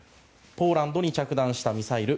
ポーランドに着弾したミサイル。